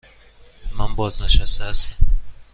من بازنشسته هستم.